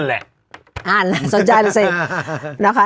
นั่นแหละอ่าน่ะสนใจแล้วสินะคะ